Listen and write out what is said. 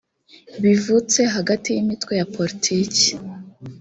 bivutse hagati y imitwe ya politiki